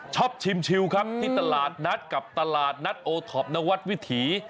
ชิมชิวครับที่ตลาดนัดกับตลาดนัดโอท็อปนวัดวิถี